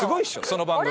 その番組。